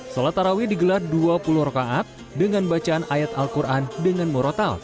salat taraweh digelar dua puluh rokaat dengan bacaan ayat al quran dengan murotal